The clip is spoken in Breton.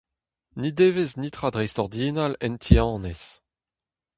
N'he devez netra dreistordinal en ti-annez.